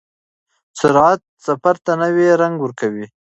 سرعت سفر ته نوی رنګ ورکوي.